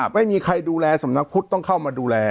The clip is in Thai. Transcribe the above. ไม่มีใครดูแลสำนักพุทธต้องเข้ามาดูแล